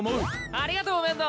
ありがとう面堂！